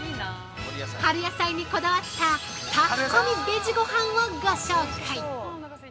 春野菜にこだわった炊き込みベジごはんをご紹介。